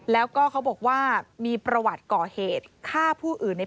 แล้วก็เขาบอกว่ามีประวัติก่อเหตุฆ่าผู้อื่นใน